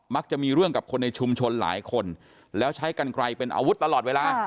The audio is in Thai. จะมีเรื่องกับคนในชุมชนหลายคนแล้วใช้กันไกลเป็นอาวุธตลอดเวลา